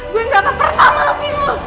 gue yang dapat pertama lupimu